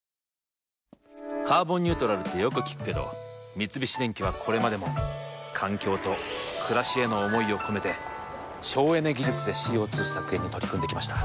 「カーボンニュートラル」ってよく聞くけど三菱電機はこれまでも環境と暮らしへの思いを込めて省エネ技術でＣＯ２削減に取り組んできました。